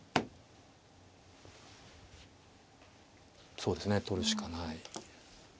そうですね取るしかない。